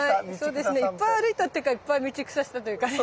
はいそうですねいっぱい歩いたっていうかいっぱい道草したというかね。